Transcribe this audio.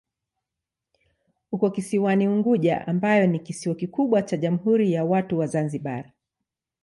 Uko kisiwani Unguja ambayo ni kisiwa kikubwa cha Jamhuri ya Watu wa Zanzibar.